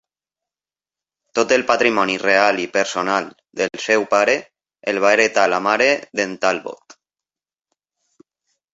Tot el patrimoni real i personal del seu pare el va hereta la mare d'en Talbot.